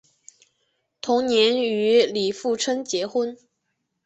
同年与李富春结婚。